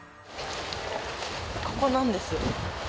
ここなんです。